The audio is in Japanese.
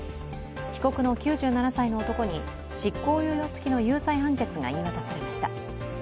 被告の９７歳の男に執行猶予付きの有罪判決が言い渡されました。